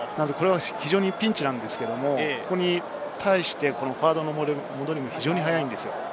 ピンチなんですけれど、ここに対してフォワードの戻りが非常に速いんですよ。